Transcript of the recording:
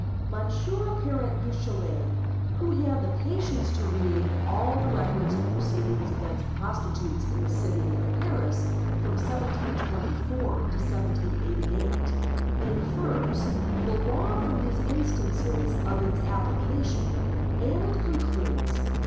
Monsieur Parent Duchatelet, who had the patience to read all the records of proceedings against prostitutes in the city of Paris from 1724 to 1788, infers the law from these instances of its application, and concludes: (1.)